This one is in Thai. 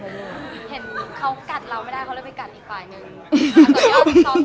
อเรนนี่มีหลังไม้ไม่มี